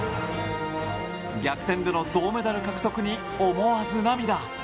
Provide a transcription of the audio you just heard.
逆転での銅メダル獲得に思わず涙。